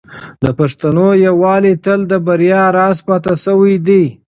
د پښتنو یووالی تل د بریا راز پاتې شوی دی.